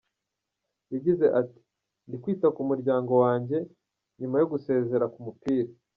Yagize ati “Ndi kwita ku muryango wanjye nyuma yo gusezera ku mupira.